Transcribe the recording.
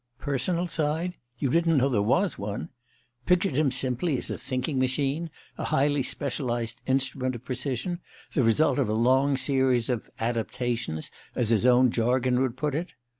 Personal side? You didn't know there was one? Pictured him simply as a thinking machine, a highly specialized instrument of precision, the result of a long series of "adaptations," as his own jargon would put it?